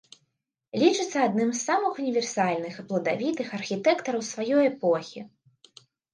Лічыцца адным з самых універсальных і пладавітых архітэктараў сваёй эпохі.